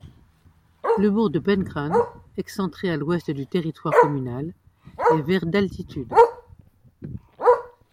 Le bourg de Pencran, excentré à l'ouest du territoire communal, est vers d'altitude.